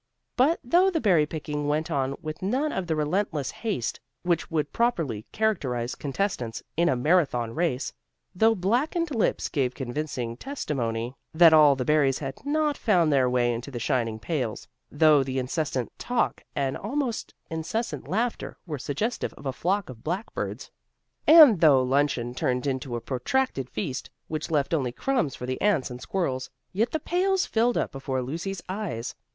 But though the berry picking went on with none of the relentless haste which would properly characterize contestants in a Marathon race, though blackened lips gave convincing testimony that all the berries had not found their way into the shining pails, though the incessant talk and almost incessant laughter were suggestive of a flock of blackbirds, and though luncheon turned into a protracted feast, which left only crumbs for the ants and squirrels, yet the pails filled up before Lucy's eyes.